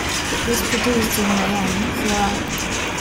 It was produced in Miami, Florida.